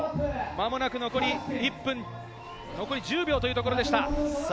まもなく残り１分、残り１０秒というところでした。